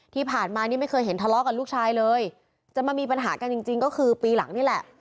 ที่ผ่านมานี่ไม่เคยเห็นทะเลาะกับลูกชายเลยจะมามีปัญหากันจริงจริงก็คือปีหลังนี่แหละ